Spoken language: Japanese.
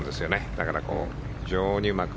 だから、非常にうまく。